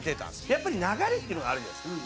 やっぱり流れっていうのがあるじゃないですか。